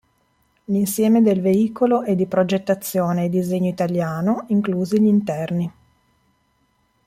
L'insieme del veicolo è di progettazione e disegno italiano, inclusi gli interni.